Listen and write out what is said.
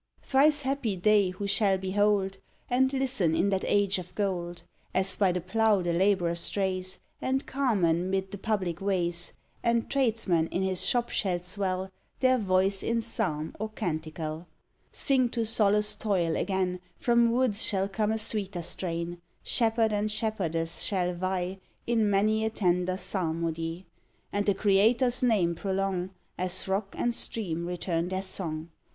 Thrice happy they, who shall behold, And listen in that age of gold! As by the plough the labourer strays, And carman mid the public ways, And tradesman in his shop shall swell Their voice in Psalm or Canticle, Sing to solace toil; again, From woods shall come a sweeter strain Shepherd and shepherdess shall vie In many a tender Psalmody; And the Creator's name prolong As rock and stream return their song!